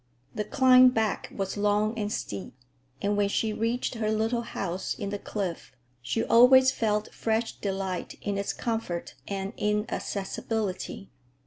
The climb back was long and steep, and when she reached her little house in the cliff she always felt fresh delight in its comfort and inaccessibility.